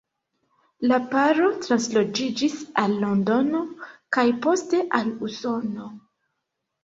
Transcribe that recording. La paro transloĝiĝis al Londono kaj poste al Usono.